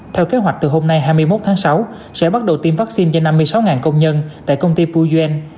theo kế hoạch từ hôm nay hai mươi một tháng sáu sẽ bắt đầu tiêm vaccine cho năm mươi sáu công nhân tại công ty pujen